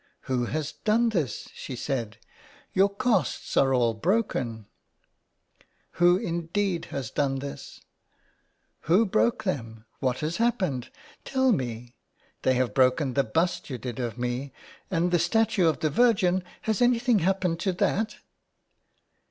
" Who has done this ?" she said, " Your casts are all broken.'* i6 IN THE CLAY. Who, indeed, has done this ?"" Who broke them ? What has happened ? Tell me. They have broken the bust you did of me. And the statue of the Virgin — has anything happened to that